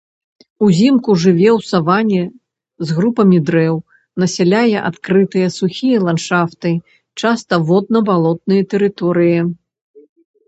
Узімку жыве ў саванне з групамі дрэў, насяляе адкрытыя, сухія ландшафты, часта водна-балотныя тэрыторыі.